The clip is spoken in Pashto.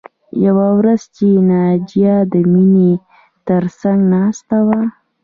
یوه ورځ چې ناجیه د مینې تر څنګ ناسته وه